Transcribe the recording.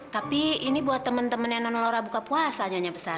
tapi ini buat temen temen yang nonora buka puasa nyonya besar